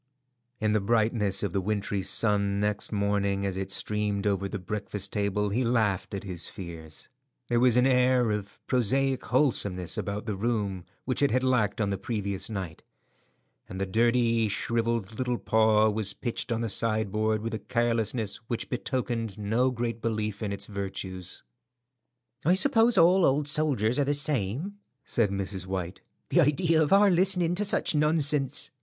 In the brightness of the wintry sun next morning as it streamed over the breakfast table he laughed at his fears. There was an air of prosaic wholesomeness about the room which it had lacked on the previous night, and the dirty, shrivelled little paw was pitched on the sideboard with a carelessness which betokened no great belief in its virtues. "I suppose all old soldiers are the same," said Mrs. White. "The idea of our listening to such nonsense!